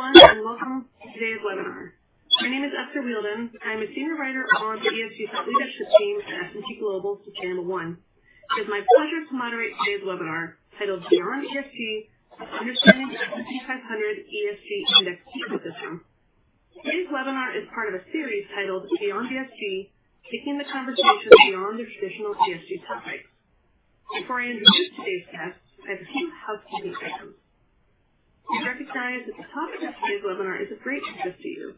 Hello everyone, and welcome to today's webinar. My name is Esther Whieldon. I'm a senior writer on the ESG thought leadership team at S&P Global Sustainable One. It is my pleasure to moderate today's webinar titled "Beyond ESG: Understanding the S&P 500 ESG Index Ecosystem." Today's webinar is part of a series titled "Beyond ESG: Taking the Conversation Beyond the Traditional ESG Topics." Before I introduce today's guest, I have a few housekeeping items. Please recognize that the topic of today's webinar is of great interest to you.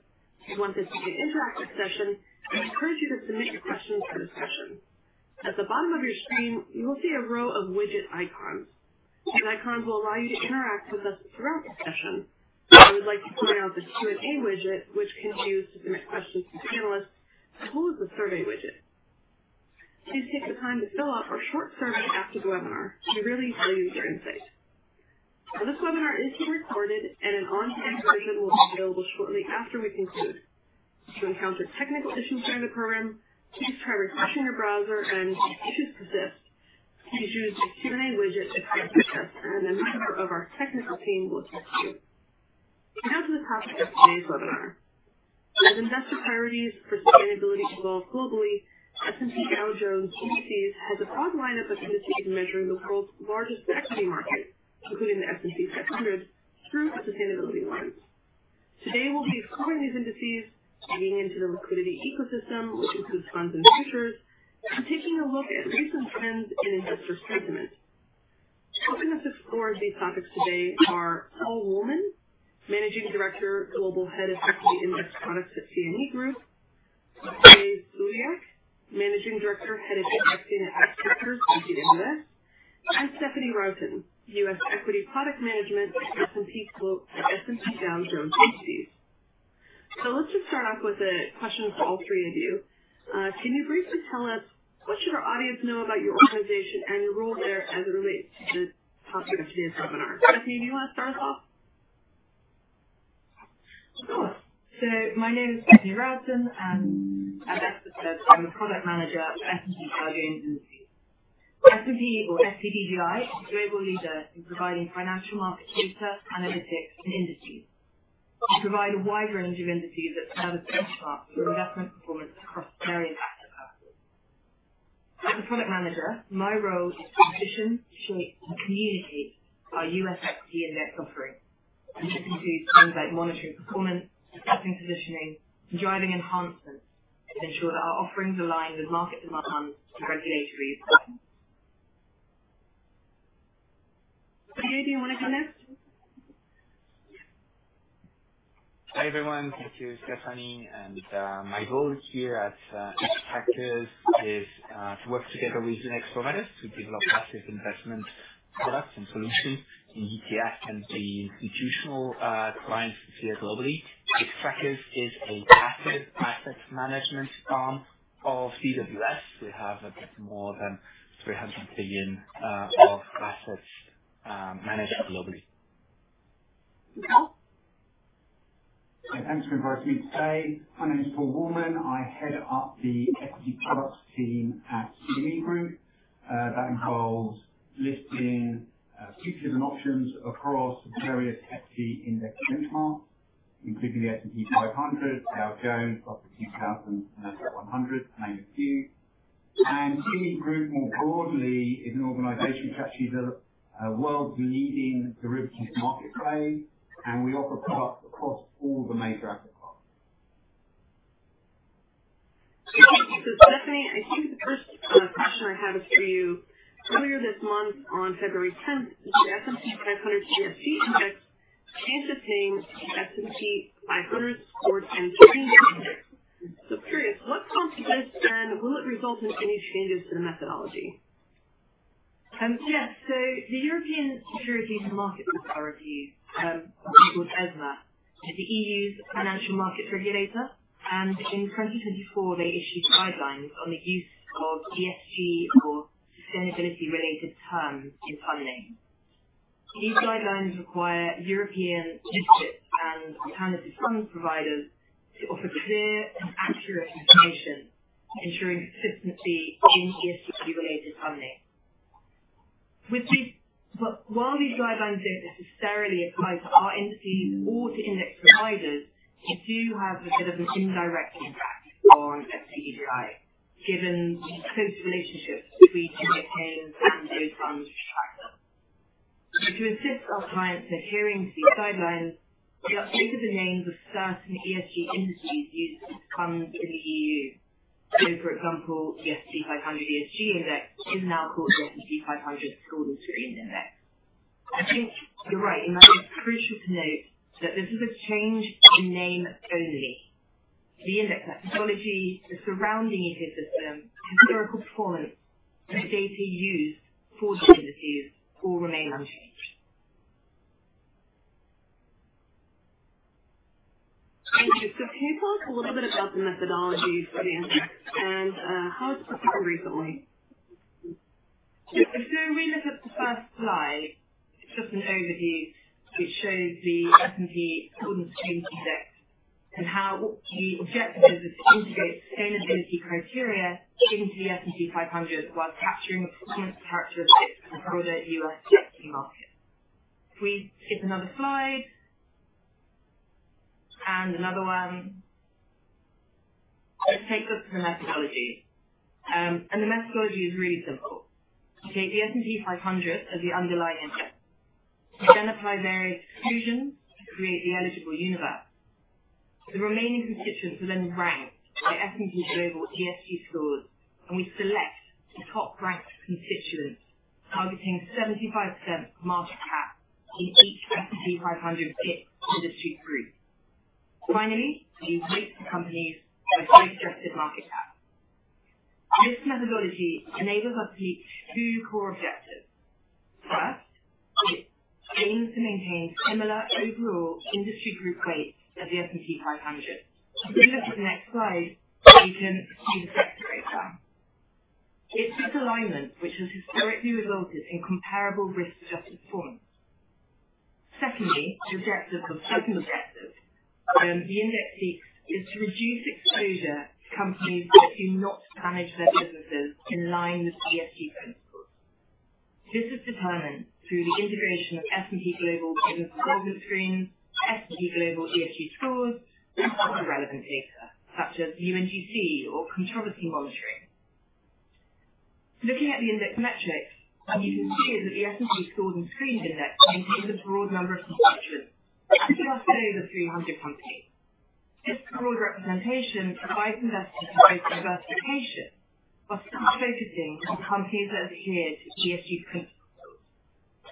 We want this to be an interactive session, and we encourage you to submit your questions for this session. At the bottom of your screen, you will see a row of widget icons. These icons will allow you to interact with us throughout the session. I would like to point out the Q&A widget, which can be used to submit questions to panelists, as well as the survey widget. Please take the time to fill out our short survey after the webinar. We really value your insight. This webinar is being recorded, and an on-screen version will be available shortly after we conclude. If you encounter technical issues during the program, please try refreshing your browser, and if issues persist, please use the Q&A widget to contact us, and a member of our technical team will assist you. Now to the topic of today's webinar. As investor priorities for sustainability evolve globally, S&P Dow Jones Indices has a broad line of activities measuring the world's largest equity markets, including the S&P 500, through sustainability lines. Today, we'll be exploring these indices, digging into the liquidity ecosystem, which includes funds and futures, and taking a look at recent trends in investor sentiment. Helping us explore these topics today are Paul Woolman, Managing Director, Global Head of Equity Index Products at CME Group, Olivier Souliac, Managing Director, Head of Indexing and Xtrackers Product Specialists at DWS Group, and Stephanie Rowton, Global Head of Index Investment Strategy at S&P Dow Jones Indices. So let's just start off with a question for all three of you. Can you briefly tell us what should our audience know about your organization and your role there as it relates to the topic of today's webinar? Stephanie, do you want to start us off? Sure. So my name is Stephanie Rowton, and as Esther said, I'm a Product Manager at S&P Dow Jones Indices. S&P, or SPDJI, is a global leader in providing financial market data, analytics, and indices. We provide a wide range of indices that serve as benchmarks for investment performance across various asset classes. As a Product Manager, my role is to position, shape, and communicate our U.S. equity index offering, which includes things like monitoring performance, assessing positioning, and driving enhancements to ensure that our offerings align with market demand and regulatory requirements. Do you want to do next? Hi everyone, thank you, Stephanie. And my role here at Xtrackers is to work together with index providers to develop massive investment products and solutions in ETFs and the institutional clients here globally. Xtrackers is a passive asset management arm of DWS. We have a bit more than 300 billion of assets managed globally. [inaudible] Thanks for inviting me today. My name is Paul Woolman. I head up the equity products team at CME Group. That involves listing futures and options across various equity index benchmarks, including the S&P 500, Dow Jones, S&P 100, and a few. CME Group, more broadly, is an organization which actually is a world-leading derivatives marketplace, and we offer products across all the major asset classes. Thank you, Stephanie. I think the first question I have is for you. Earlier this month, on February 10th, the S&P 500 ESG Index changed its name to the S&P 500 Scores and Screens Index. So I'm curious, what prompted this, and will it result in any changes to the methodology? Yes. So the European Securities and Markets Authority, or ESMA, is the EU's financial markets regulator, and in 2024, they issued guidelines on the use of ESG or sustainability-related terms in fund names. These guidelines require European UCITS and alternative funds providers to offer clear and accurate information, ensuring consistency in ESG-related fund names. While these guidelines don't necessarily apply to our indices or to index providers, they do have a bit of an indirect impact on SPDJI, given the close relationship between European and U.S. fund sectors. To assist our clients in adhering to these guidelines, we updated the names of certain ESG indices used for funds in the EU. So, for example, the S&P 500 ESG Index is now called the S&P 500 Scores and Screens Index. I think you're right in that it's crucial to note that this is a change in name only. The index methodology, the surrounding ecosystem, historical performance, and the data used for these indices all remain unchanged. Thank you. So can you tell us a little bit about the methodology for the index and how it's performed recently? Yeah. So if we look at the first slide, it's just an overview. It shows the S&P Scores and Screens Index and how the objective is to integrate sustainability criteria into the S&P 500 while capturing performance characteristics of the broader U.S. equity market. If we skip another slide and another one, let's take a look at the methodology, and the methodology is really simple. We take the S&P 500 as the underlying index. We then apply various exclusions to create the eligible universe. The remaining constituents are then ranked by S&P Global ESG Scores, and we select the top-ranked constituents, targeting 75% market cap in each S&P 500-based industry group. Finally, we weight the companies by stressed market cap. This methodology enables us to meet two core objectives. First, it aims to maintain similar overall industry group weights as the S&P 500. If we look at the next slide, we can see the second breakdown. It's this alignment which has historically resulted in comparable risk-adjusted performance. Secondly, the second objective the index seeks is to reduce exposure to companies that do not manage their businesses in line with ESG principles. This is determined through the integration of S&P Global ESG Scores and Screens, S&P Global ESG scores, and other relevant data such as UNGC or controversy monitoring. Looking at the index metrics, you can see that the S&P Scores and Screens Index contains a broad number of constituents, just over 300 companies. This broad representation provides investors with diversification while still focusing on companies that adhere to ESG principles.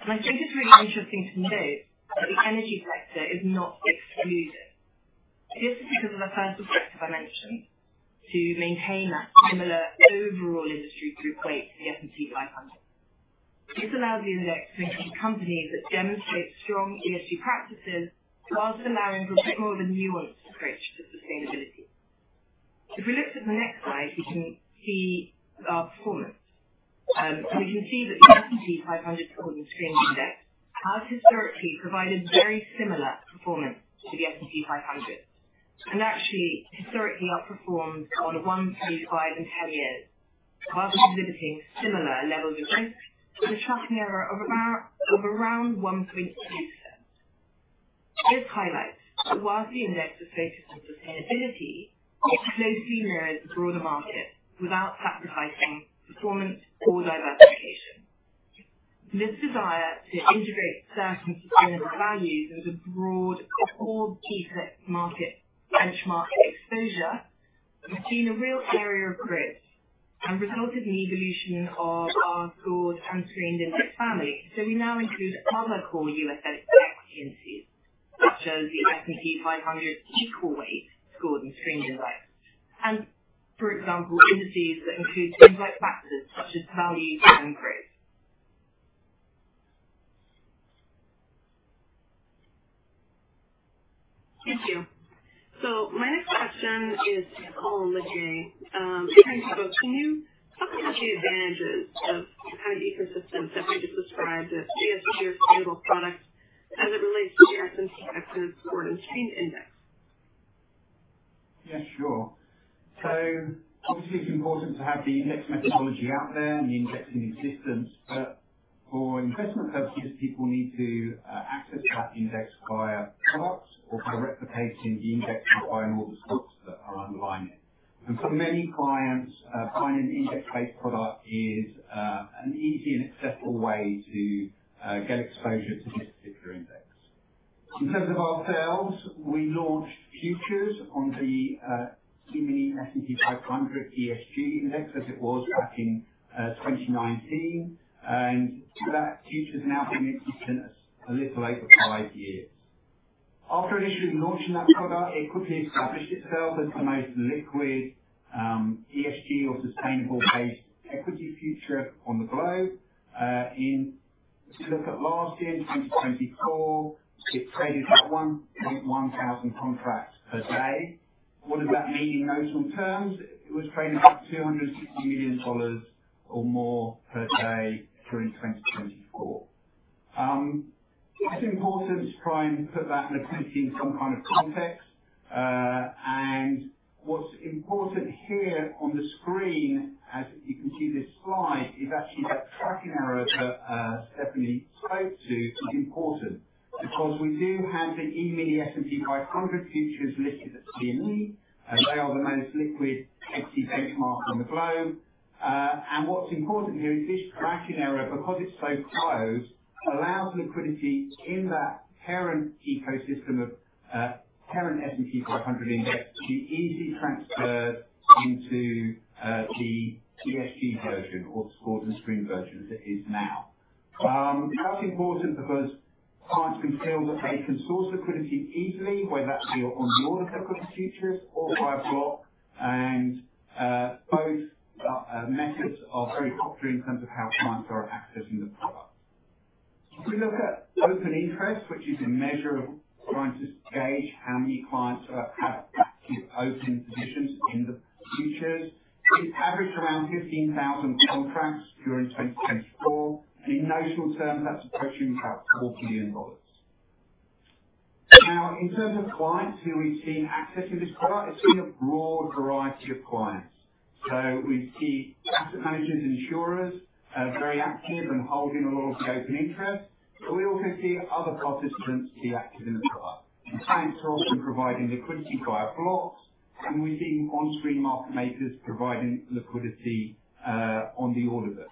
I think it's really interesting to note that the energy sector is not excluded. This is because of the first objective I mentioned, to maintain that similar overall industry group weight to the S&P 500. This allows the index to include companies that demonstrate strong ESG practices while allowing for a bit more of a nuanced approach to sustainability. If we look at the next slide, we can see our performance. We can see that the S&P 500 Scores and Screens Index has historically provided very similar performance to the S&P 500 and actually historically outperformed on one, 2, 5, and 10 years, while exhibiting similar levels of risk and a tracking error of around 1.2%. This highlights that while the index is focused on sustainability, it closely mirrors the broader market without sacrificing performance or diversification. This desire to integrate certain sustainable values into broad core deep market benchmark exposure has seen a real area of growth and resulted in the evolution of our Scores and Screens Index family, so we now include other core U.S. equity indices such as the S&P 500 Equal Weight Scores and Screens Index, and for example, indices that include things like factors such as value and growth. Thank you. So my next question is to Paul Woolman. Thank you both. Can you talk about the advantages of the kind of ecosystem that we just described, the ESG or sustainable products, as it relates to the S&P 500 Scores and Screens Index? Yeah, sure. So obviously, it's important to have the index methodology out there and the indexing existence, but for investment purposes, people need to access that index via products or by replicating the index and buying all the stocks that are underlying it. And for many clients, buying an index-based product is an easy and accessible way to get exposure to this particular index. In terms of ourselves, we launched futures on the CME S&P 500 ESG Index as it was back in 2019, and that future has now been in existence a little over five years. After initially launching that product, it quickly established itself as the most liquid ESG or sustainable-based equity future on the globe. If you look at last year, in 2024, it traded at 1.1 thousand contracts per day. What does that mean in notes and terms? It was trading at $260 million or more per day during 2024. It's important to try and put that in some kind of context, and what's important here on the screen, as you can see this slide, is actually that tracking error that Stephanie spoke to is important because we do have the E-mini S&P 500 futures listed at CME. They are the most liquid equity benchmark on the globe, and what's important here is this tracking error, because it's so close, allows liquidity in that parent ecosystem of parent S&P 500 index to be easily transferred into the ESG version or Scores and Screens version as it is now. That's important because clients can feel that they can source liquidity easily, whether that be on the order book of the futures or via block, and both methods are very popular in terms of how clients are accessing the product. If we look at open interest, which is a measure of trying to gauge how many clients have active open positions in the futures, it averaged around 15,000 contracts during 2024, and in notional terms, that's approaching about $4 billion. Now, in terms of clients who we've seen accessing this product, it's been a broad variety of clients. So we see asset managers and insurers very active and holding a lot of the open interest, but we also see other participants be active in the product. Clients are often providing liquidity via blocks, and we've seen on-screen market makers providing liquidity on the order book.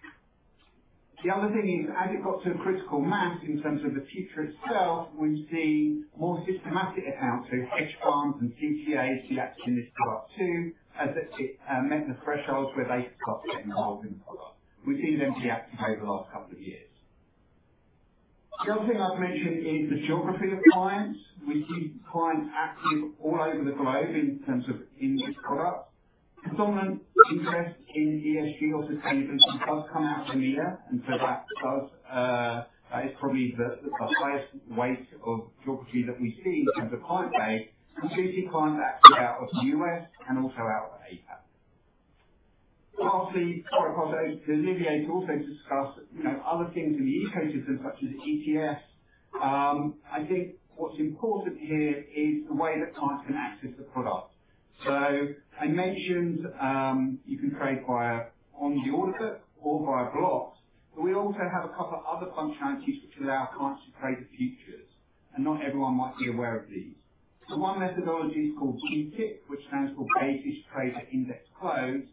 The other thing is, as it got to a critical mass in terms of the future itself, we've seen more systematic accounts, so hedge funds and CTAs be active in this product too, as it met the thresholds where they started getting involved in the product. We've seen them be active over the last couple of years. The other thing I've mentioned is the geography of clients. We see clients active all over the globe in terms of in this product. Predominant interest in ESG or sustainability does come out from here, and so that is probably the highest weight of geography that we see in terms of client base, and we see clients active out of the U.S. and also out of APAC. Lastly, quite a lot of those delivery aids also discuss other things in the ecosystem such as ETFs. I think what's important here is the way that clients can access the product. So I mentioned you can trade via on the order book or via blocks, but we also have a couple of other functionalities which allow clients to trade the futures, and not everyone might be aware of these. So one methodology is called BTIC, which stands for Basis Trade at Index Close,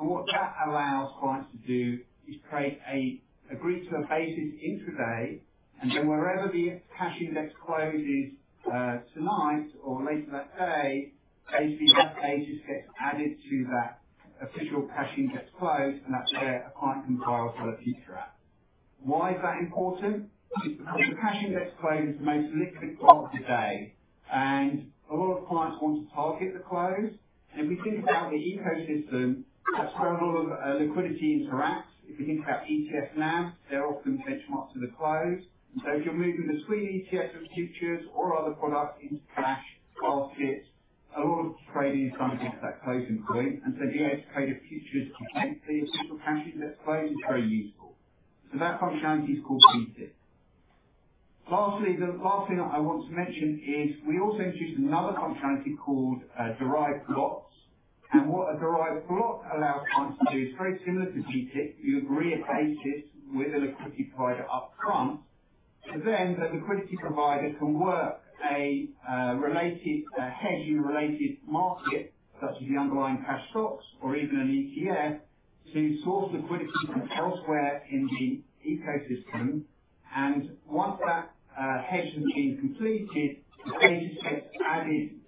and what that allows clients to do is trade an agreed-to basis intraday, and then wherever the cash index closes tonight or later that day, basically that basis gets added to that official cash index close, and that's where a client can buy or sell a future at. Why is that important? It's because the cash index close is the most liquid part of the day, and a lot of clients want to target the close. And if we think about the ecosystem, that's where a lot of liquidity interacts. If we think about ETFs now, they're often benchmarked to the close. And so if you're moving between ETFs and futures or other products into cash baskets, a lot of trading is done against that closing point, and so being able to trade a future against the official cash index close is very useful. So that functionality is called BTIC. Lastly, the last thing I want to mention is we also introduced another functionality called Derived Blocks, and what a Derived Block allows clients to do is very similar to BTIC. You agree a basis with a liquidity provider upfront, so then the liquidity provider can work a related hedge in a related market, such as the underlying cash stocks or even an ETF, to source liquidity from elsewhere in the ecosystem. And once that hedge has been completed, the basis gets added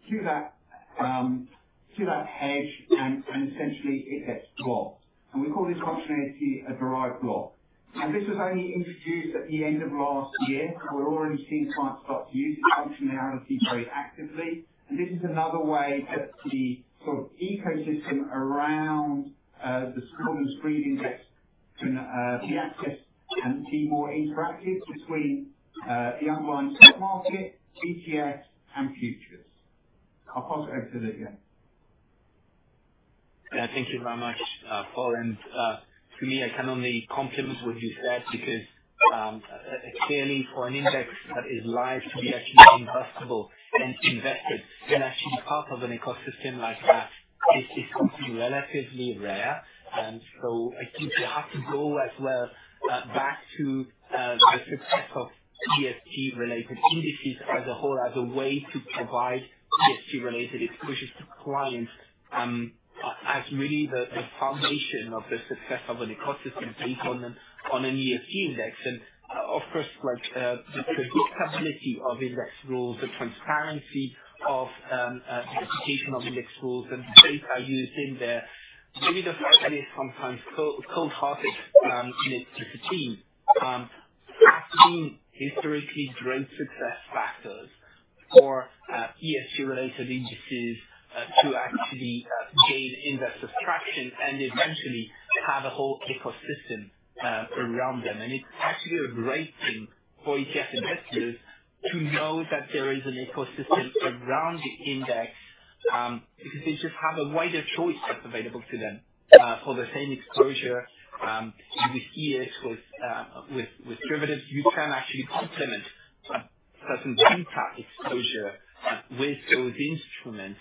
to that hedge, and essentially it gets blocked. And we call this functionality a Derived Block. Now, this was only introduced at the end of last year, so we're already seeing clients start to use this functionality very actively. And this is another way that the sort of ecosystem around the Scores and Screens Index can be accessed and be more interactive between the underlying stock market, ETFs, and futures. I'll pass over to Olivier. Yeah, thank you very much, Paul. And to me, I can only compliment what you said because clearly, for an index that is live to be actually investable and invested in, actually part of an ecosystem like that, it's something relatively rare. And so I think you have to go as well back to the success of ESG-related indices as a whole, as a way to provide ESG-related exposure to clients as really the foundation of the success of an ecosystem based on an ESG index. And of course, the predictability of index rules, the transparency of the application of index rules and the data used in there, maybe the fact that it's sometimes cold-hearted in its disappearance has been historically great success factors for ESG-related indices to actually gain investors' traction and eventually have a whole ecosystem around them. It's actually a great thing for ETF investors to know that there is an ecosystem around the index because they just have a wider choice that's available to them for the same exposure. We see it with derivatives. You can actually complement a certain beta exposure with those instruments,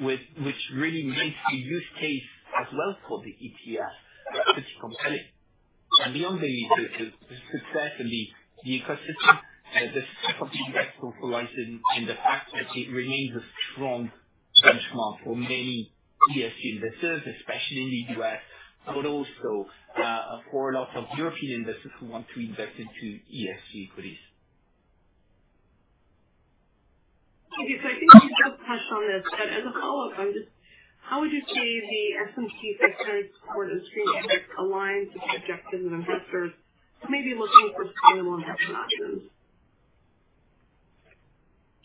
which really makes the use case as well for the ETF pretty compelling. Beyond the success and the ecosystem, the success of the index also lies in the fact that it remains a strong benchmark for many ESG investors, especially in the U.S., but also for a lot of European investors who want to invest into ESG equities. Thank you. So I think you just touched on this, but as a follow-up, I'm just how would you say the S&P 500 Scores and Screens Index aligns with the objectives of investors who may be looking for sustainable investment options?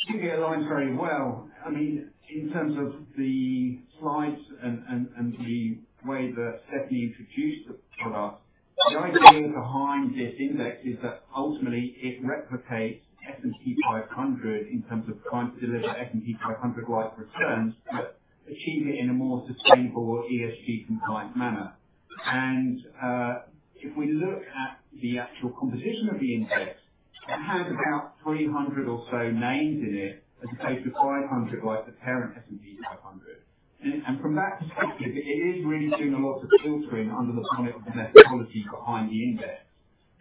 I think it aligns very well. I mean, in terms of the slides and the way that Stephanie introduced the product, the idea behind this index is that ultimately it replicates S&P 500 in terms of trying to deliver S&P 500-like returns but achieve it in a more sustainable ESG-compliant manner. And if we look at the actual composition of the index, it has about 300 or so names in it as opposed to 500 like the parent S&P 500. And from that perspective, it is really doing a lot of filtering under the bonnet of the methodology behind the index.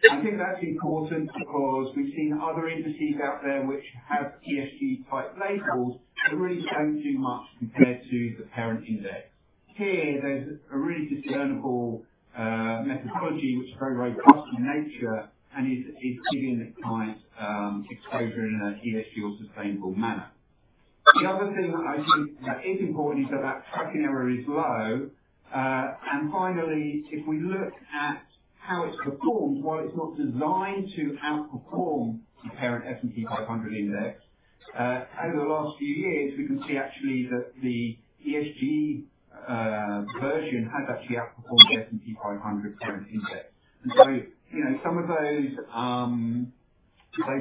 I think that's important because we've seen other indices out there which have ESG-type labels, but really don't do much compared to the parent index. Here, there's a really discernible methodology which is very robust in nature and is giving the client exposure in an ESG or sustainable manner. The other thing I think that is important is that that tracking error is low. And finally, if we look at how it's performed, while it's not designed to outperform the parent S&P 500 index, over the last few years, we can see actually that the ESG version has actually outperformed the S&P 500 parent index. And so some of those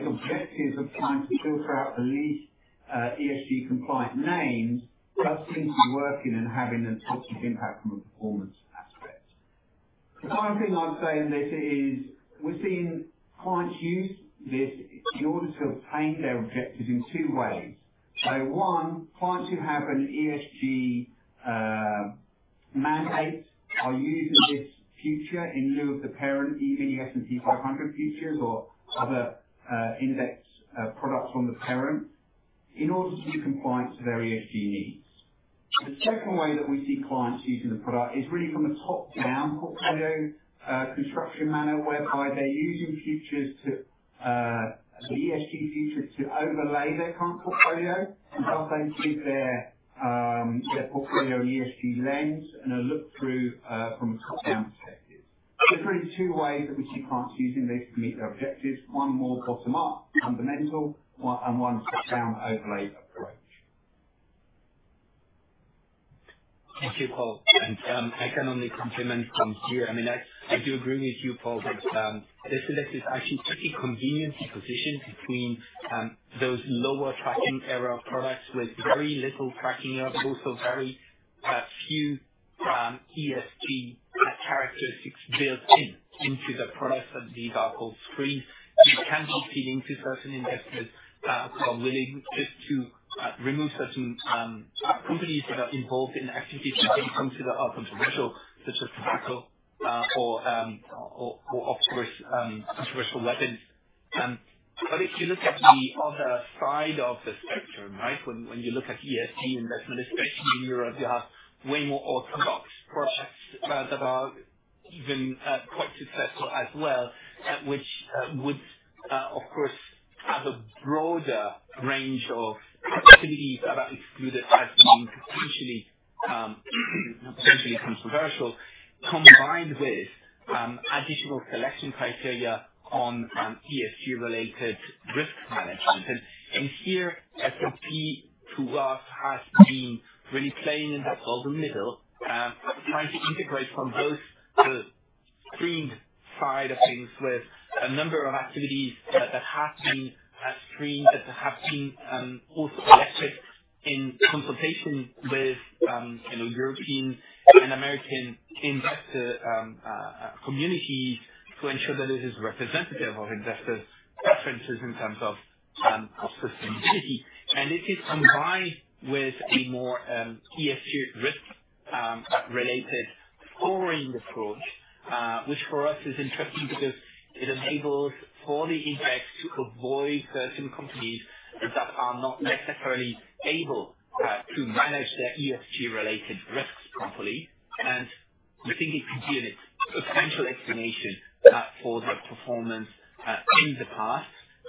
objectives of trying to filter out the least ESG-compliant names does seem to be working and having a positive impact from a performance aspect. The final thing I'd say in this is we've seen clients use this in order to obtain their objectives in two ways. So one, clients who have an ESG mandate are using this future in lieu of the parent E-mini S&P 500 futures or other index products on the parent in order to be compliant to their ESG needs. The second way that we see clients using the product is really from a top-down portfolio construction manner, whereby they're using futures to the ESG future to overlay their current portfolio and thus they give their portfolio an ESG lens and a look through from a top-down perspective. So there's really two ways that we see clients using this to meet their objectives: one more bottom-up fundamental and one top-down overlay approach. Thank you, Paul. And I can only comment from here. I mean, I do agree with you, Paul, that this index is actually pretty conveniently positioned between those lower tracking error products with very little tracking error, but also very few ESG characteristics built into the products that these are called screens. It can be appealing to certain investors who are willing just to remove certain companies that are involved in activities that don't come to the controversial, such as tobacco or, of course, controversial weapons. But if you look at the other side of the spectrum, right, when you look at ESG investment, especially in Europe, you have way more orthodox products that are even quite successful as well, which would, of course, have a broader range of activities that are excluded as being potentially controversial, combined with additional selection criteria on ESG-related risk management. Here, S&P to us has been really playing in the middle, trying to integrate from both the screened side of things with a number of activities that have been screened that have been also selected in consultation with European and American investor communities to ensure that it is representative of investors' preferences in terms of sustainability. And it is combined with a more ESG risk-related scoring approach, which for us is interesting because it enables for the index to avoid certain companies that are not necessarily able to manage their ESG-related risks properly. And we think it could be a substantial explanation for the performance in the past.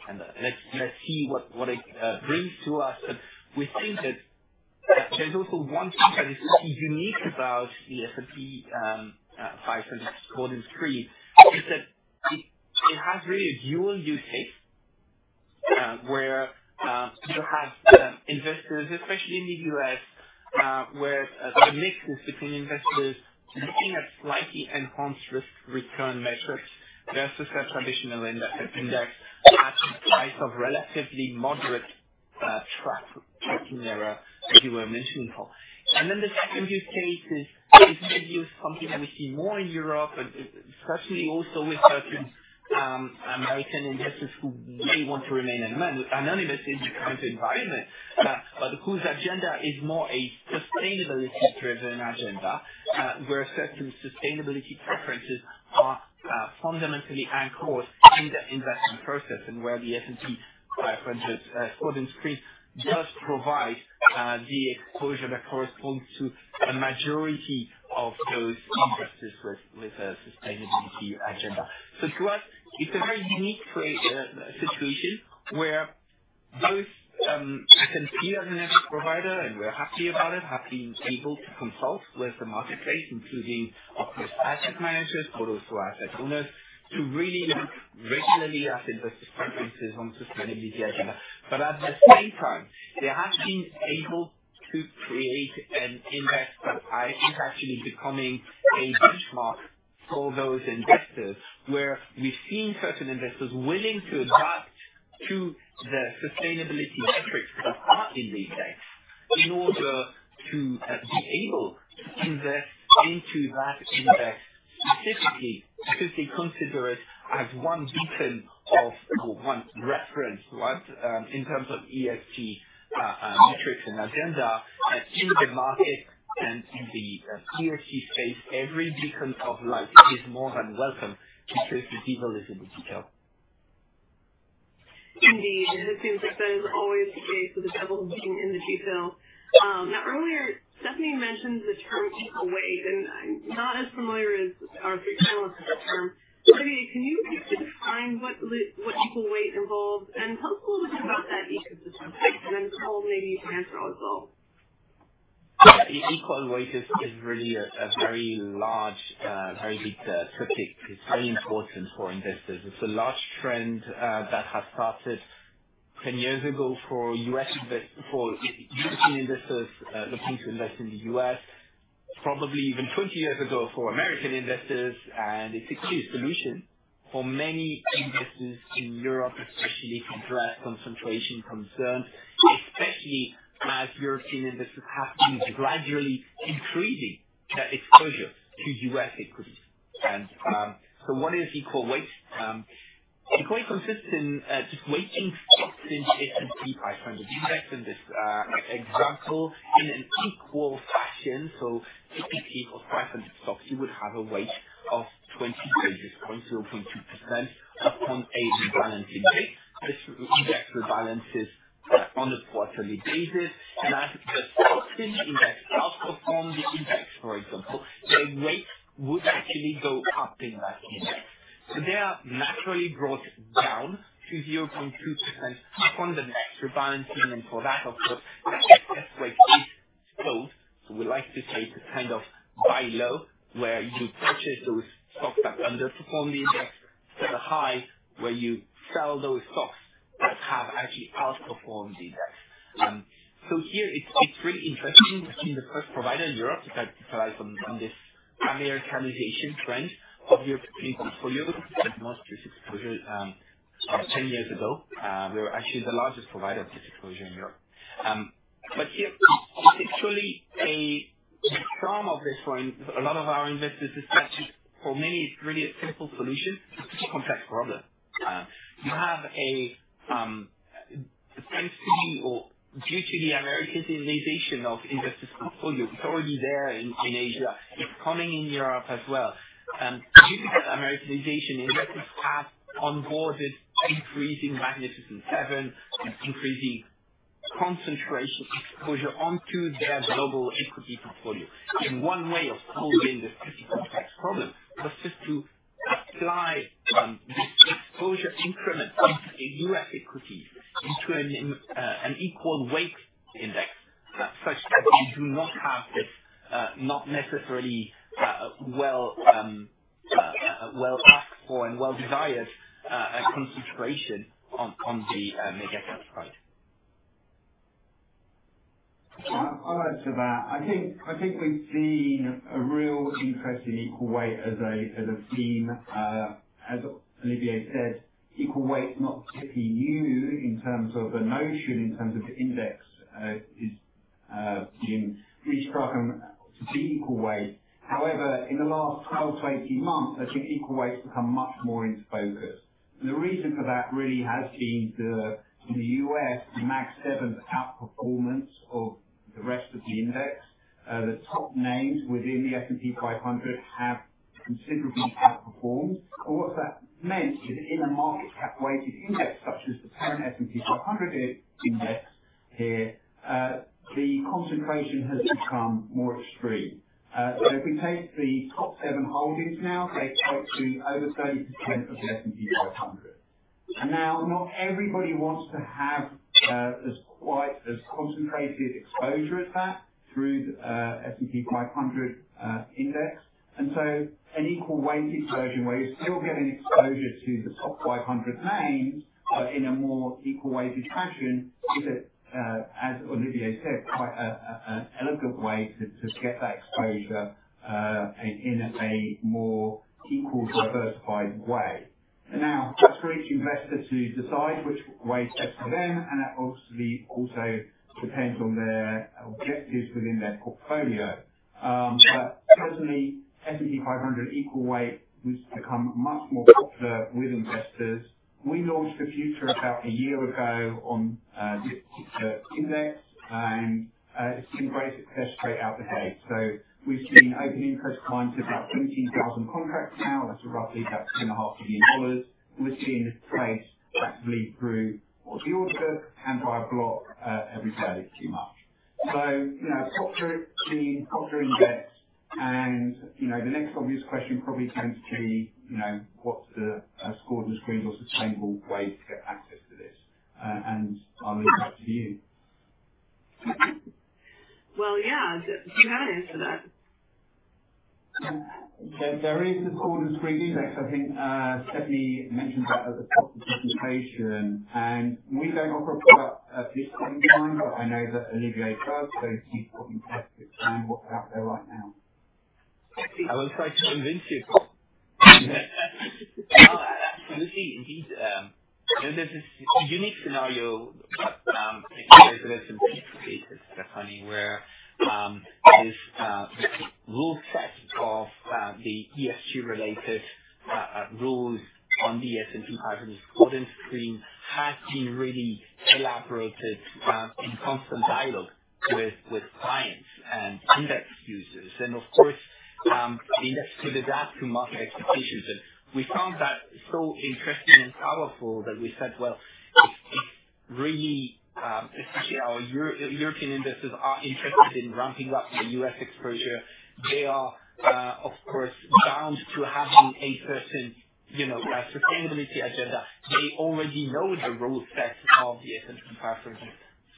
And let's see what it brings to us. But we think that there's also one thing that is pretty unique about the S&P 500 Scores and Screens is that it has really a dual use case where you have investors, especially in the U.S., where the mix is between investors looking at slightly enhanced risk return metrics versus a traditional index at the price of relatively moderate tracking error, as you were mentioning, Paul, and then the second use case is maybe something that we see more in Europe, especially also with certain American investors who may want to remain anonymous in the current environment, but whose agenda is more a sustainability-driven agenda, where certain sustainability preferences are fundamentally anchored in the investment process, and where the S&P 500 Scores and Screens does provide the exposure that corresponds to a majority of those investors with a sustainability agenda. To us, it's a very unique situation where both I can see as an index provider, and we're happy about it, have been able to consult with the marketplace, including, of course, asset managers, but also asset owners, to really look regularly at investor preferences on sustainability agenda. But at the same time, they have been able to create an index that is actually becoming a benchmark for those investors, where we've seen certain investors willing to adapt to the sustainability metrics that are in the index in order to be able to invest into that index specifically because they consider it as one beacon or one reference, right, in terms of ESG metrics and agenda in the market and in the ESG space. Every beacon of light is more than welcome because the devil is in the detail. Indeed. It seems like that is always the case with the devil being in the detail. Now, earlier, Stephanie mentioned the term equal weight, and I'm not as familiar as our three panelists with the term. Olivier, can you define what equal weight involves and tell us a little bit about that ecosystem? Then Paul, maybe you can answer as well. Yeah. Equal weight is really a very large, very big topic. It's very important for investors. It's a large trend that has started 10 years ago for U.S. investors, for European investors looking to invest in the U.S., probably even 20 years ago for American investors, and it's a key solution for many investors in Europe, especially to address concentration concerns, especially as European investors have been gradually increasing their exposure to U.S. equities. So what is equal weight? Equal weight consists in just weighting stocks in the S&P 500 Index. In this example, in an equal fashion, so typically for 500 stocks, you would have a weight of 20 basis points, 0.2%, upon a rebalancing base. This index rebalances on a quarterly basis. As the stock index outperforms the index, for example, their weight would actually go up in that index. So they are naturally brought down to 0.2% upon the next rebalancing. And for that, of course, that excess weight is sold. So we like to say it's a kind of buy low, where you purchase those stocks that underperform the index, sell high, where you sell those stocks that have actually outperformed the index. So here, it's really interesting that being the first provider in Europe that capitalized on this Americanization trend of European portfolios that advanced this exposure 10 years ago, we were actually the largest provider of this exposure in Europe. But here, it's actually awesome for a lot of our investors. For many, it's really a simple solution to a complex problem whether sensibly or due to the Americanization of investors' portfolios, it's already there in Asia. It's coming in Europe as well. Due to that Americanization, investors have onboarded increasing Magnificent Seven, increasing concentration exposure onto their global equity portfolio, and one way of solving this pretty complex problem was just to apply this exposure increment into the U.S. equities, into an equal weight index, such that you do not have this not necessarily well asked for and well desired concentration on the mega cap side. I'll add to that. I think we've seen a real interest in equal weight as a theme. As Olivier said, equal weight's not particularly new in terms of the notion, in terms of the index being restructured to be equal weight. However, in the last 12 to 18 months, I think equal weight's become much more into focus, and the reason for that really has been the U.S. Mag Seven outperformance of the rest of the index. The top names within the S&P 500 have considerably outperformed. But what that meant is in a market cap-weighted index, such as the parent S&P 500 index here, the concentration has become more extreme. So if we take the top seven holdings now, they've gone to over 30% of the S&P 500, and now, not everybody wants to have as quite as concentrated exposure as that through the S&P 500 index. And so an equal weighted version, where you're still getting exposure to the top 500 names, but in a more equal weighted fashion, is, as Olivier said, quite an elegant way to get that exposure in a more equal diversified way. And now, that's for each investor to decide which way's best for them. And that obviously also depends on their objectives within their portfolio. But certainly, S&P 500 Equal Weight has become much more popular with investors. We launched the futures about a year ago on this particular index, and it's seen great success straight out the gate. So we've seen open interest climb to about 17,000 contracts now. That's roughly $2.5 billion. We've seen trades practically through the order book and via block every single day through March. Procter [inadible] Index, and the next obvious question probably tends to be, what's the Scores and Screens or sustainable way to get access to this? I'll leave that to you. Well, yeah. Do you have an answer to that? There is the Scores and Screens Index. I think Stephanie mentioned that at the top of the presentation. And we don't offer a product at this point in time, but I know that Olivier does. So he's probably interested to find what's out there right now. I will try to convince you. Absolutely. Indeed. There's this unique scenario that I think there's a piece of data, Stephanie, where this rule set of the ESG-related rules on the S&P 500 Scores and Screens has been really elaborated in constant dialogue with clients and index users, and of course, the index could adapt to market expectations. And we found that so interesting and powerful that we said, well, it's really especially our European investors are interested in ramping up the U.S. exposure. They are, of course, bound to having a certain sustainability agenda. They already know the rule set of the S&P 500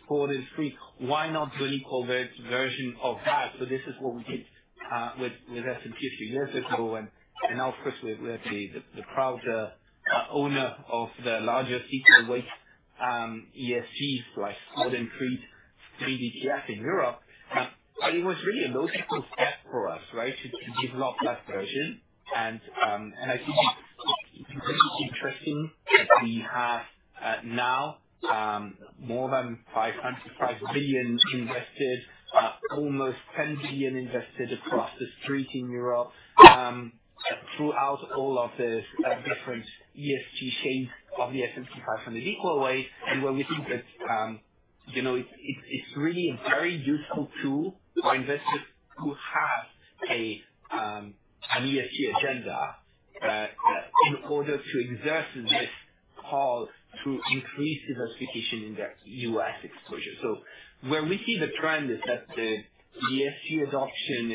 Scores and Screens. Why not do an equal weight version of that? So this is what we did with S&P a few years ago. And now, of course, we're the proud owner of the larger equal weight ESG, like Scores and Screens, screened ETFs in Europe. But it was really a logical step for us, right, to develop that version. And I think it's really interesting that we have now more than 5.5 billion investors, almost 10 billion investors across the street in Europe, throughout all of these different ESG shades of the S&P 500 equal weight, where we think that it's really a very useful tool for investors who have an ESG agenda in order to exercise this call through increased diversification in their U.S. exposure. So where we see the trend is that the ESG adoption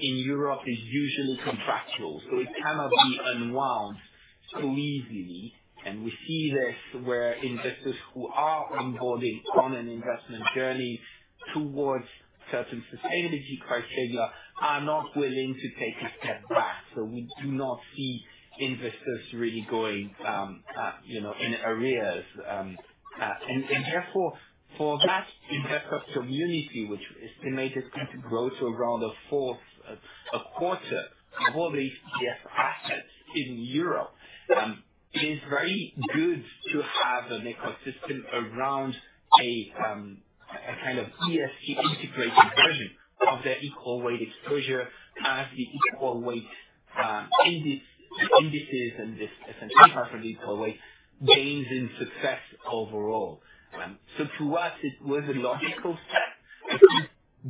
in Europe is usually contractual. So it cannot be unwound so easily. And we see this where investors who are onboarding on an investment journey towards certain sustainability criteria are not willing to take a step back. So we do not see investors really going in arrears. And therefore, for that investor community, which estimated to grow to around a fourth, a quarter of all the ETF assets in Europe, it is very good to have an ecosystem around a kind of ESG integrated version of their equal weight exposure as the equal weight indices and this S&P 500 Equal Weight gains in success overall. So to us, it was a logical step.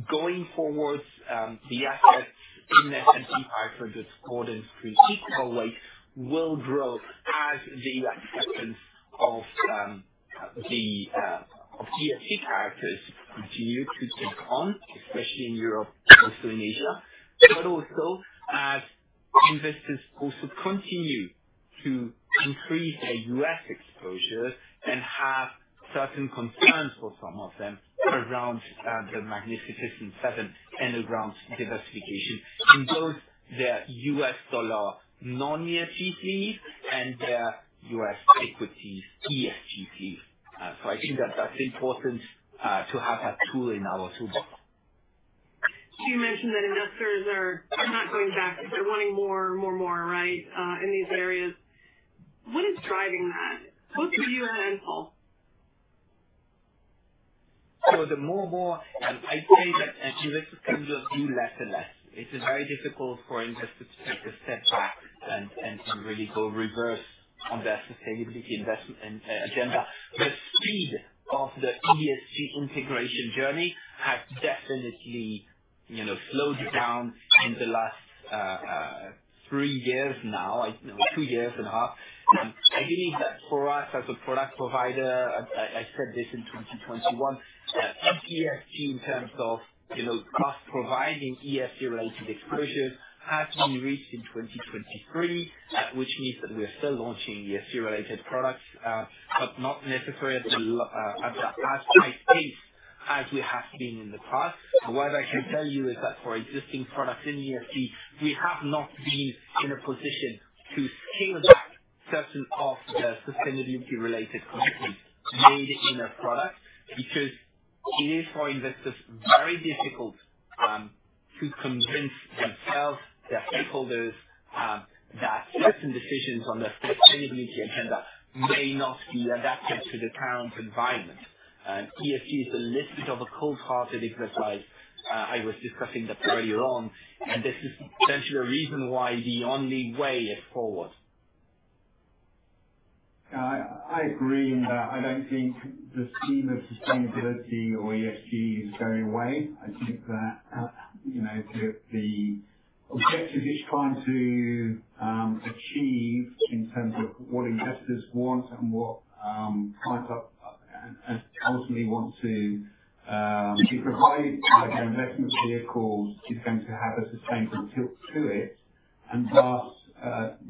Going forward, the assets in the S&P 500 Scores and Screens Equal Weight will grow as the expectations of the ESG characteristics continue to take on, especially in Europe, also in Asia, but also as investors also continue to increase their U.S. Exposure and have certain concerns for some of them around the Magnificent Seven and around diversification in both their U.S. dollar non-ESG sleeve and their U.S. equities ESG sleeve. So I think that that's important to have that tool in our toolbox. So you mentioned that investors are not going back. They're wanting more, more, more, right, in these areas. What is driving that? Both for you and Paul? So, the more and more, I'd say that investors can do less and less. It's very difficult for investors to take a step back and really go reverse on their sustainability investment agenda. The speed of the ESG integration journey has definitely slowed down in the last three years now, two years and a half. I believe that for us as a product provider, I said this in 2021. ESG in terms of us providing ESG-related exposures has been reached in 2023, which means that we are still launching ESG-related products, but not necessarily at the fast pace as we have been in the past. What I can tell you is that for existing products in ESG, we have not been in a position to scale back certain of the sustainability-related companies named in a product because it is for investors very difficult to convince themselves, their stakeholders, that certain decisions on the sustainability agenda may not be adapted to the current environment. ESG is the list of cold-hearted exercises I was discussing earlier on, and this is potentially a reason why the only way is forward. Yeah. I agree in that. I don't think the theme of sustainability or ESG is going away. I think that the objectives it's trying to achieve in terms of what investors want and what clients ultimately want to be provided by their investment vehicles is going to have a sustainable tilt to it, and thus,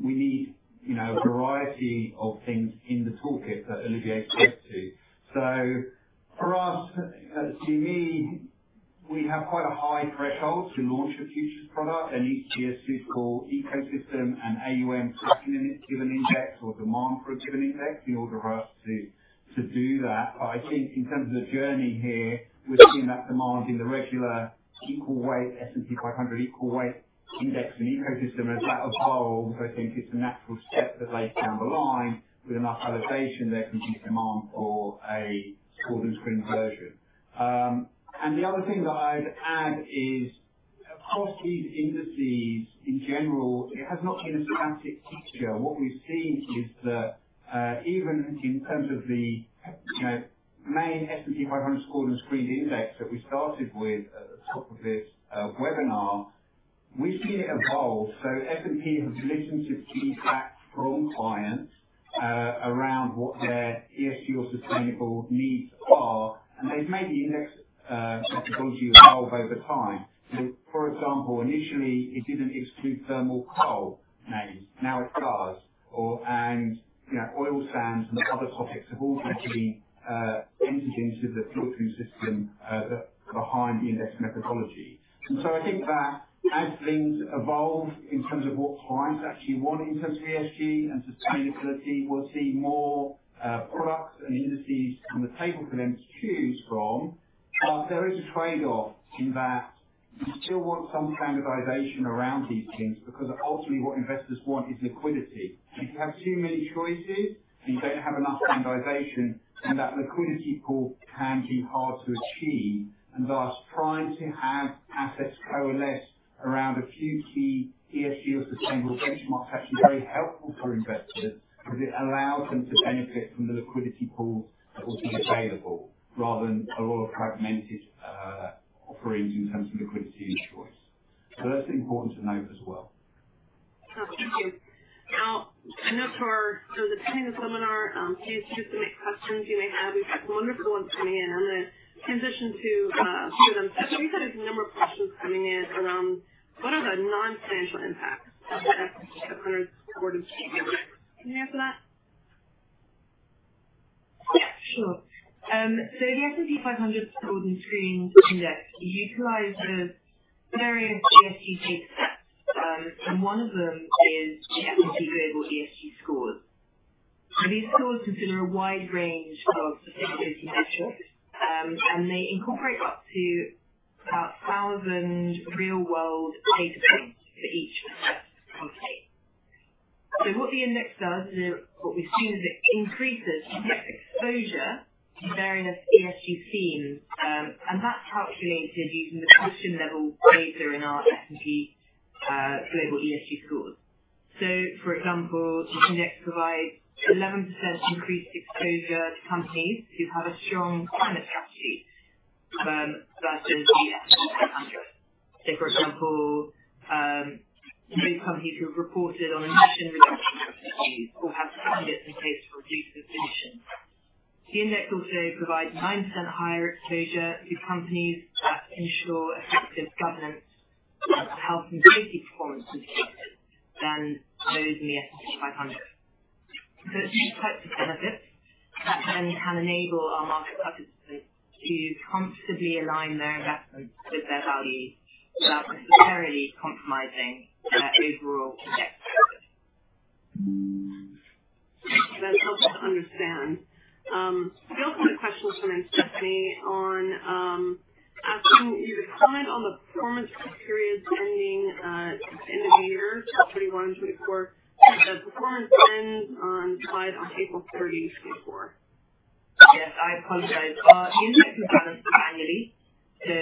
we need a variety of things in the toolkit that Olivier spoke to. So for us, to me, we have quite a high threshold to launch a futures product. There needs to be a suitable ecosystem and AUM tracking in a given index or demand for a given index in order for us to do that. But I think in terms of the journey here, we're seeing that demand in the regular equal weight S&P 500 Equal Weight Index and ecosystem. And as that evolves, I think it's a natural step that later down the line with enough validation, there can be demand for a Scores and Screens version. And the other thing that I'd add is across these indices in general, it has not been a static feature. What we've seen is that even in terms of the main S&P 500 Scores and Screens Index that we started with at the top of this webinar, we've seen it evolve. S&P has listened to feedback from clients around what their ESG or sustainable needs are. And they've made the index methodology evolve over time. For example, initially, it didn't exclude thermal coal names. Now it does. And oil sands and other topics have all been entered into the filtering system behind the index methodology. And so I think that as things evolve in terms of what clients actually want in terms of ESG and sustainability, we'll see more products and indices on the table for them to choose from. But there is a trade-off in that you still want some standardization around these things because ultimately what investors want is liquidity. If you have too many choices and you don't have enough standardization, then that liquidity pool can be hard to achieve. And thus, trying to have assets coalesce around a few key ESG or sustainable benchmarks is actually very helpful for investors because it allows them to benefit from the liquidity pools that will be available rather than a lot of fragmented offerings in terms of liquidity and choice. So that's important to note as well. Thank you. Now, I know for the beginning of the webinar, please just submit questions you may have. We've got some wonderful ones coming in. I'm going to transition to a few of them. So we've had a number of questions coming in around what are the non-financial impacts of the S&P 500 Scores and Screens. Can you answer that? Yeah, sure. So the S&P 500 Scores and Screens Index utilizes various ESG data sets. And one of them is the S&P Global ESG Scores. These scores consider a wide range of sustainability metrics, and they incorporate up to about 1,000 real-world data points for each company. So what the index does is what we've seen is it increases exposure to various ESG themes, and that's calculated using the question-level data in our S&P Global ESG Scores. So, for example, this index provides 11% increased exposure to companies who have a strong climate strategy versus the S&P 500. So, for example, those companies who have reported on emission reduction strategies or have funding in place for reduced emissions. The index also provides 9% higher exposure to companies that ensure effective governance of health and safety performance indicators than those in the S&P 500. So it's these types of benefits that then can enable our market participants to comfortably align their investments with their values without necessarily compromising their overall index exposure. Thank you for that help to understand. We also have a question from Stephanie on asking you to comment on the performance period ending at the end of the year, 2021 and 2024. The performance ends on the slide on April 30, 2024. Yes, I apologize. The index is balanced annually. So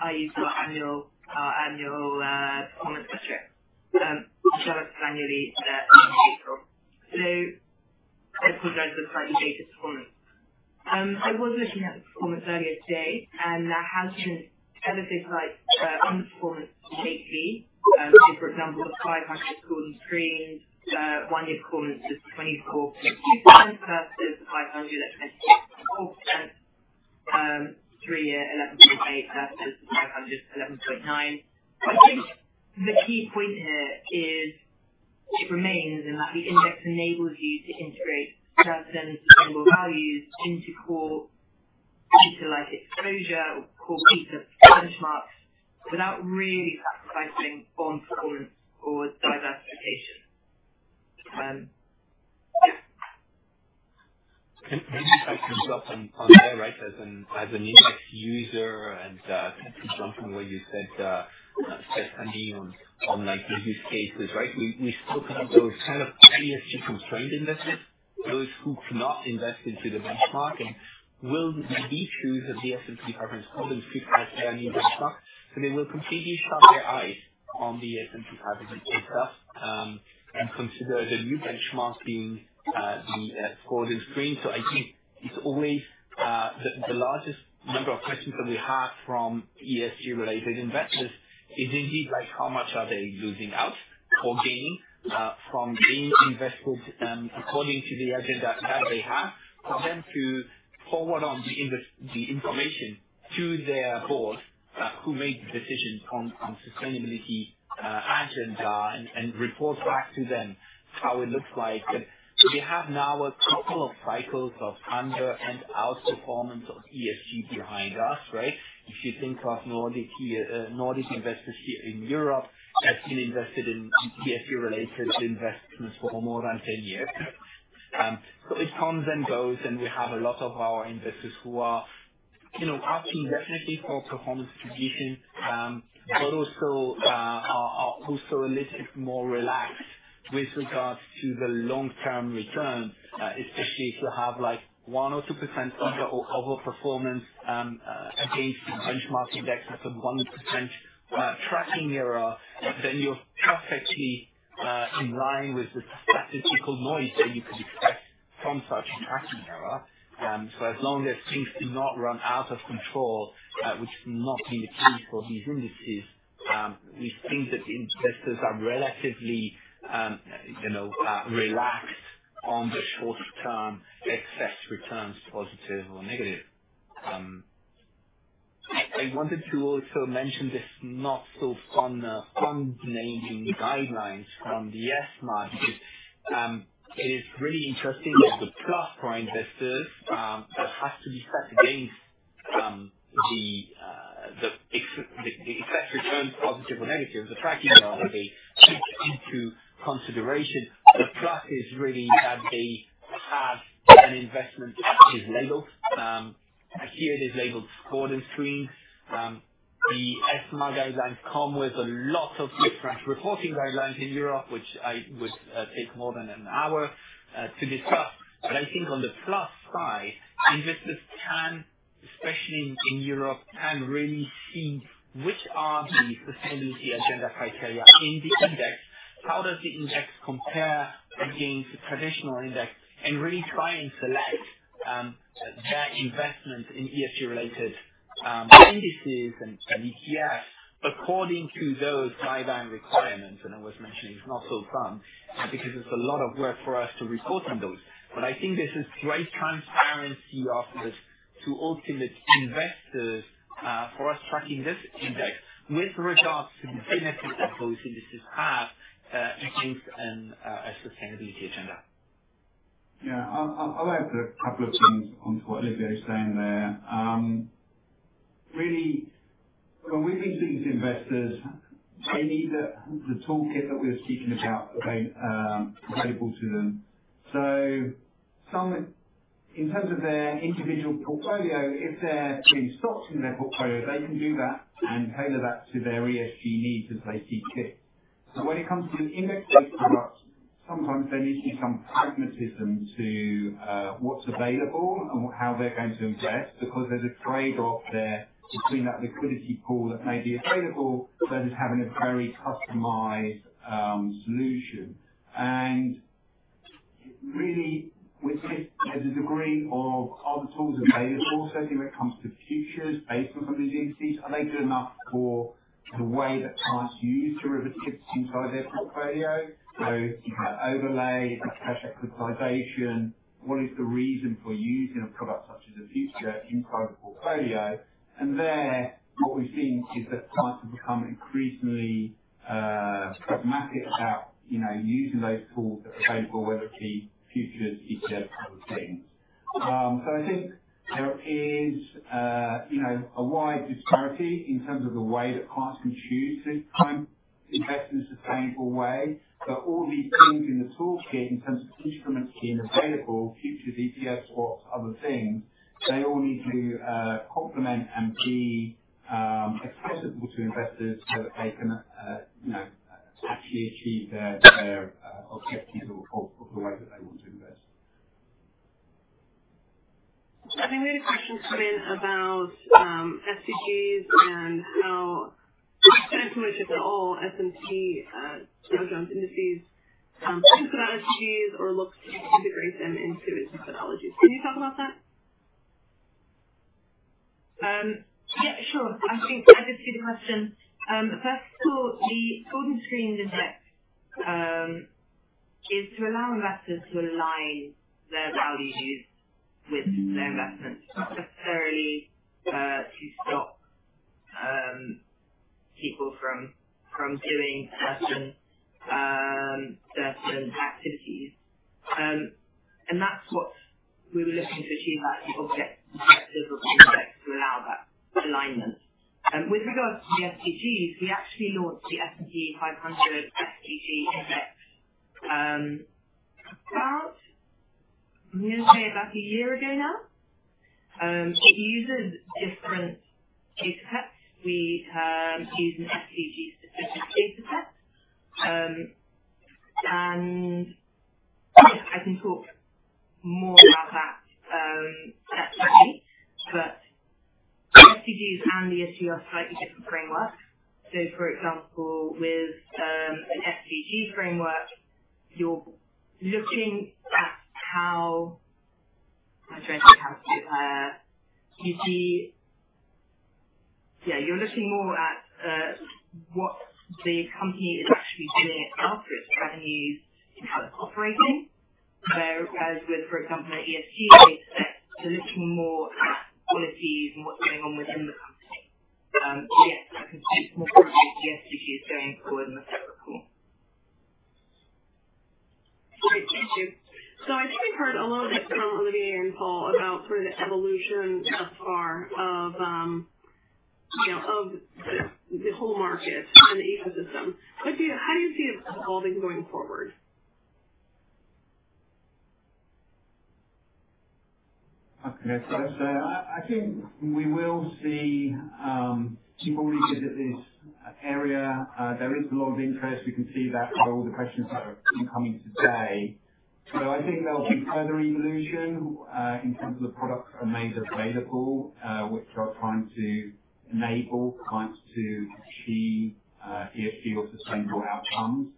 I use our annual performance metric. It's balanced annually in April. So I apologize for the slightly dated performance. I was looking at the performance earlier today, and there has been relatively slight underperformance lately. So, for example, the 500 Scores and Screens, one-year performance is 24.2% versus the 500 at 24.4%, three-year 11.8% versus the 500 at 11.9%. I think the key point here is it remains in that the index enables you to integrate certain sustainable values into core feature-like exposure or core feature benchmarks without really sacrificing on performance or diversification. Yeah. And maybe if I can jump on there, right, as an index user and kind of jump on what you said, Stephanie, on the use cases, right. We still have those kind of ESG-constrained investors, those who cannot invest into the benchmark. And will we be sure that the S&P 500 Scores and Screens fit as their new benchmark? So they will completely shut their eyes on the S&P 500 itself and consider the new benchmark being the Scores and Screens. So I think it's always the largest number of questions that we have from ESG-related investors is indeed how much are they losing out or gaining from being invested according to the agenda that they have for them to forward on the information to their board who made the decisions on sustainability agenda and report back to them how it looks like. So we have now a couple of cycles of under- and outperformance of ESG behind us, right? If you think of Nordic investors here in Europe, they've been invested in ESG-related investments for more than 10 years. So it comes and goes, and we have a lot of our investors who are asking definitely for performance distribution, but also are a little bit more relaxed with regards to the long-term return, especially if you have one% or two% either overperformance against the benchmark index with a one% tracking error, then you're perfectly in line with the statistical noise that you could expect from such a tracking error. So as long as things do not run out of control, which has not been the case for these indices, we think that investors are relatively relaxed on the short-term excess returns, positive or negative. I wanted to also mention this not-so-fun fund naming guidelines from the [inaudible] because it is really interesting that the plus for investors that has to be set against the excess returns, positive or negative, the tracking error that they take into consideration. The plus is really that they have an investment that is labeled. Here it is labeled Scores and Screens. The SFDR guidelines come with a lot of different reporting guidelines in Europe, which I would take more than an hour to discuss, but I think on the plus side, investors can, especially in Europe, really see which are the sustainability agenda criteria in the index, how does the index compare against the traditional index, and really try and select their investment in ESG-related indices and ETFs according to those guideline requirements. I was mentioning it's not so fun because it's a lot of work for us to report on those, but I think there's this great transparency of this to ultimate investors for us tracking this index with regards to the benefits that those indices have against a sustainability agenda. Yeah. I'll add a couple of things onto what Olivier is saying there. Really, when we've been speaking to investors, they need the toolkit that we were speaking about available to them. So in terms of their individual portfolio, if they're putting stocks in their portfolio, they can do that and tailor that to their ESG needs as they see fit. But when it comes to index-based products, sometimes there needs to be some pragmatism to what's available and how they're going to invest because there's a trade-off there between that liquidity pool that may be available versus having a very customized solution. And really, we've seen there's a degree of other tools available, especially when it comes to futures based on some of these indices. Are they good enough for the way that clients use derivatives inside their portfolio? So, overlay, cash execution. What is the reason for using a product such as a futures inside the portfolio? And there, what we've seen is that clients have become increasingly pragmatic about using those tools that are available, whether it be futures, ETFs, other things. So I think there is a wide disparity in terms of the way that clients can choose to invest in a sustainable way. But all these things in the toolkit in terms of instruments being available, futures, ETFs, or other things, they all need to complement and be accessible to investors so that they can actually achieve their objectives of the way that they want to invest. I think we had a question come in about SDGs and how, if at all, S&P Dow Jones Indices thinks about SDGs or looks to integrate them into its methodologies. Can you talk about that? Yeah, sure. I think I just see the question. First of all, the Scores and Screens index is to allow investors to align their values with their investments, not necessarily to stop people from doing certain activities. And that's what we were looking to achieve at the objective perspective of the index to allow that alignment. With regards to the SDGs, we actually launched the S&P 500 SDG Index about, I'm going to say, about a year ago now. It uses different data sets. We use an SDG-specific data set. And I can talk more about that separately. But SDGs and ESG are slightly different frameworks. So, for example, with an SDG framework, you're looking more at what the company is actually doing in terms of its revenues, how it's operating, whereas with, for example, an ESG data set, you're looking more at policies and what's going on within the company. So yes, I can speak more broadly to the SDGs going forward in the. Great. Thank you. So I think we've heard a lot of this from Olivier and Paul about sort of the evolution thus far of the whole market and the ecosystem. How do you see it evolving going forward? I think we will see people revisit this area. There is a lot of interest. We can see that by all the questions that have come in today. So I think there'll be further evolution in terms of the products that are made available, which are trying to enable clients to achieve ESG or sustainable outcomes.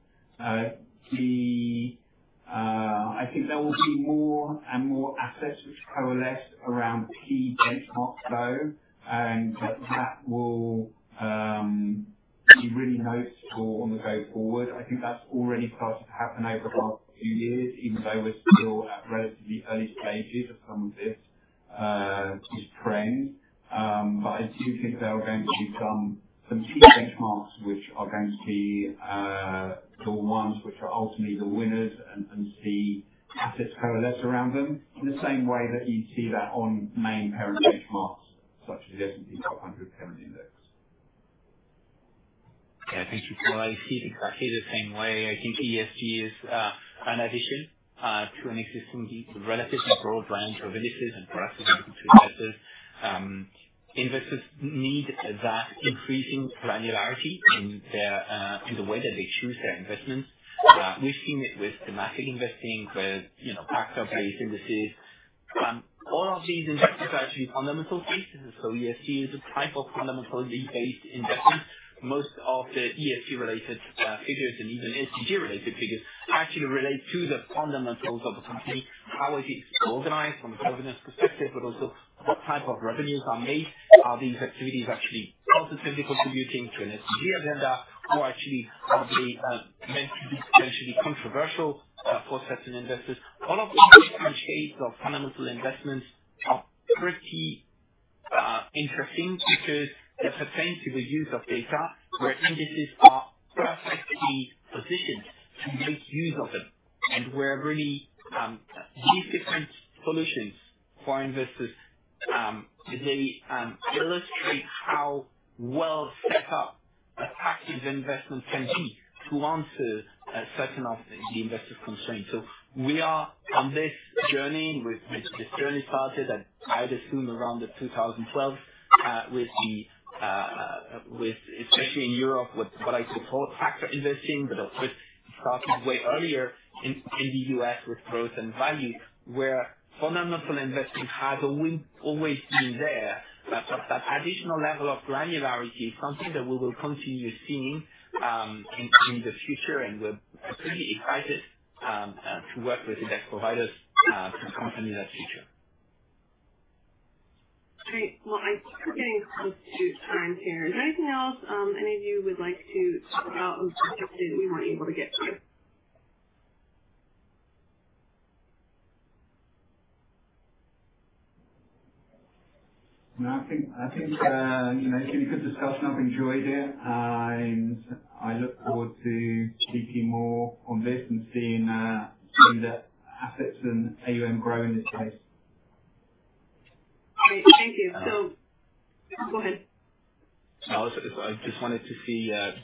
I think there will be more and more assets which coalesce around key benchmarks, though, and that will be really noticeable on the go forward. I think that's already started to happen over the past few years, even though we're still at relatively early stages of some of this trend. But I do think there are going to be some key benchmarks which are going to be the ones which are ultimately the winners and see assets coalesce around them in the same way that you see that on main parent benchmarks such as the S&P 500 parent index. Yeah, thank you, Paul. I see it exactly the same way. I think ESG is an addition to an existing relatively broad range of indices and products that are looking to investors. Investors need that increasing granularity in the way that they choose their investments. We've seen it with thematic investing, with backstop-based indices. All of these investments are actually fundamental pieces. So ESG is a type of fundamentally based investment. Most of the ESG-related figures and even SDG-related figures actually relate to the fundamentals of a company. How is it organized from a governance perspective, but also what type of revenues are made? Are these activities actually positively contributing to an SDG agenda, or actually are they meant to be potentially controversial for certain investors? All of these different shades of fundamental investments are pretty interesting because they're pertaining to the use of data where indices are perfectly positioned to make use of them. And these different solutions for investors, they illustrate how well set up a package of investments can be to answer certain of the investors' constraints. So we are on this journey, and this journey started, I'd assume, around 2012, especially in Europe with what I call forward factor investing, but it started way earlier in the U.S. with growth and value, where fundamental investing has always been there. But that additional level of granularity is something that we will continue seeing in the future, and we're pretty excited to work with index providers to accompany that future. Great. Well, I think we're getting close to time here. Is there anything else any of you would like to talk about that we weren't able to get to? No, I think it's been a good discussion. I've enjoyed it. I look forward to speaking more on this and seeing the assets and AUM grow in this case. Great. Thank you. So go ahead. I just wanted to say that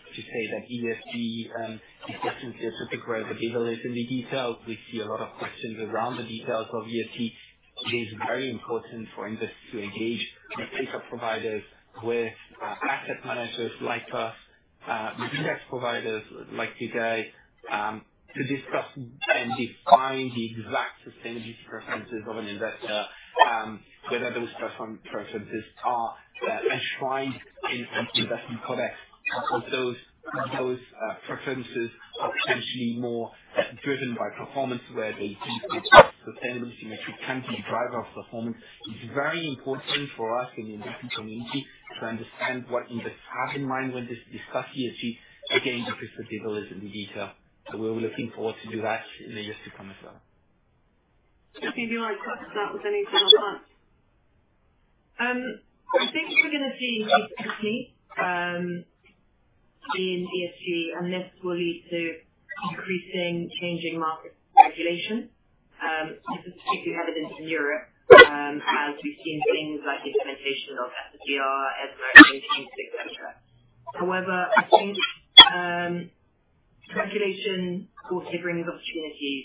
ESG is definitely a topic where the data is in the details. We see a lot of questions around the details of ESG. It is very important for investors to engage with data providers, with asset managers like us, with index providers like you guys, to discuss and define the exact sustainability preferences of an investor, whether those preferences are enshrined in investment codes. Of course, those preferences are potentially more driven by performance, where they think that sustainability metrics can be the driver of performance. It's very important for us in the investment community to understand what investors have in mind when discussing ESG, again, because the data is in the detail. So we're looking forward to do that in the years to come as well. Jessie, do you want to start with any final thoughts? I think we're going to see increased activity in ESG, and this will lead to increasingly changing market regulation. This is particularly evident in Europe as we've seen things like the implementation of SFDR. [inaudible] However, I think regulation also brings opportunities.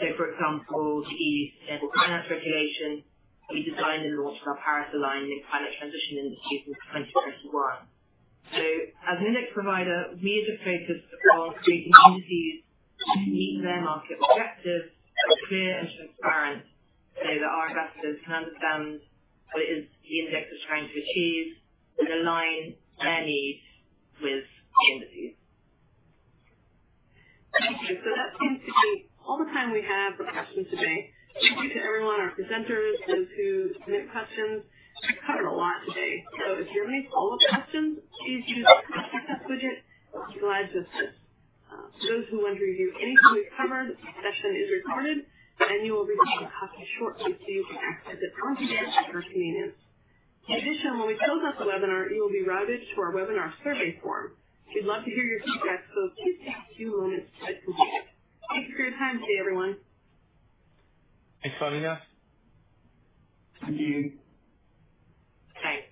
So, for example, the EU Sustainable Finance Regulation. We designed and launched our Paris-Aligned and Climate Transition Indices in 2021. So, as an index provider, we are just focused on creating indices to meet their market objectives clearly and transparently so that our investors can understand what it is the index is trying to achieve and align their needs with the indices. Thank you. So that seems to be all the time we have for questions today. Thank you to everyone, our presenters, those who submitted questions. We've covered a lot today. So if you have any follow-up questions, please use the contact us widget. We'll be glad to assist. For those who want to review anything we've covered, the session is recorded, and you will receive a copy shortly so you can access it once again at your convenience. In addition, when we close out the webinar, you will be routed to our webinar survey form. We'd love to hear your feedback, so please take a few moments to complete it. Thank you for your time today, everyone. Thanks, Olivier. Thank you. Okay.